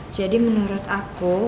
jadi menurut aku